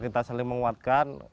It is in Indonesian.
kita saling menguatkan